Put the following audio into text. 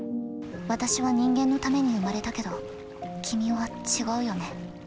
私は人間のために生まれたけど君は違うよね。